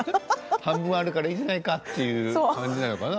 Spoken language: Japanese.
半分あるからいいじゃないかって感じなのかな。